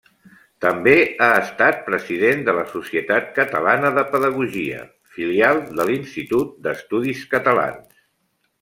També ha estat president de la Societat Catalana de Pedagogia, filial de l'Institut d'Estudis Catalans.